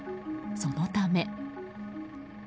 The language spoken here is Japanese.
そのため。